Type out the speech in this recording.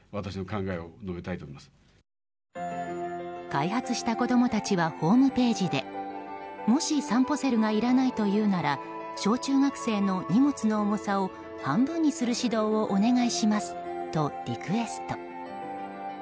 開発した子供たちはホームページでもし、さんぽセルがいらないというなら小中学生の荷物の重さを半分にする指導をお願いしますとリクエスト。